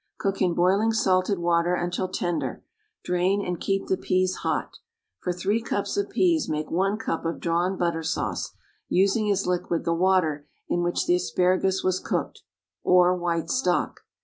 Cook in boiling salted water until tender; drain, and keep the peas hot. For three cups of peas make one cup of drawn butter sauce, using as liquid the water in which the asparagus was cooked, or white stock.